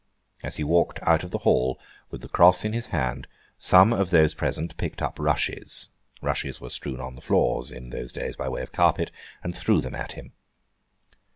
As he walked out of the hall, with the cross in his hand, some of those present picked up rushes—rushes were strewn upon the floors in those days by way of carpet—and threw them at him.